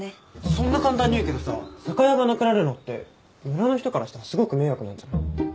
そんな簡単に言うけどさ酒屋がなくなるのって村の人からしたらすごく迷惑なんじゃない？